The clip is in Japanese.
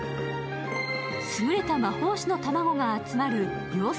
優れた魔法士の卵が集まる養成